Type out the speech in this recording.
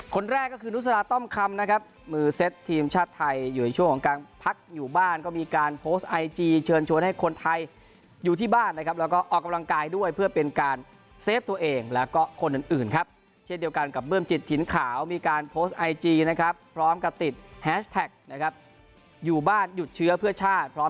คนแรกก็คือนุสราต้อมคำนะครับมือเซตทีมชาติไทยอยู่ในช่วงของการพักอยู่บ้านก็มีการโพสต์ไอจีเชิญชวนให้คนไทยอยู่ที่บ้านนะครับแล้วก็ออกกำลังกายด้วยเพื่อเป็นการเซฟตัวเองแล้วก็คนอื่นอื่นครับเช่นเดียวกันกับเบื้องจิตถิ่นขาวมีการโพสต์ไอจีนะครับพร้อมกับติดแฮชแท็กนะครับอยู่บ้านหยุดเชื้อเพื่อชาติพร้อม